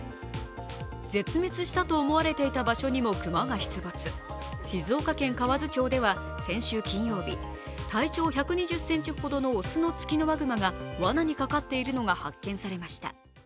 絶滅したと思われていた場所にも熊が出没、静岡県河津町では先週金曜日、体長１２０ｃｍほどの雄のツキノワグマがわなにかかっているのが発見されましｔ。